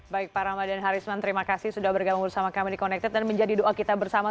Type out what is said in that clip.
baik pak ramadan harisman terima kasih sudah bergabung bersama kami di connected dan menjadi doa kita bersama